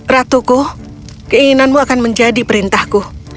ratuku keinginanmu akan menjadi perintahku